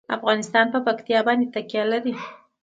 افغانستان په پکتیا باندې تکیه لري.